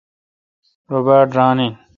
رو باڑ ران این۔